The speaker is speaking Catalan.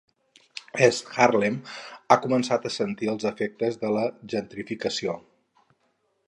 East Harlem ha començat a sentir els efectes de la gentrificació.